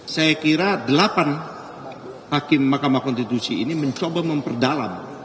saya kira delapan hakim mahkamah konstitusi ini mencoba memperdalam